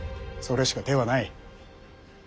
それしか手はない。